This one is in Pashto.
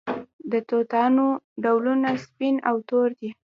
د توتانو ډولونه سپین او تور دي.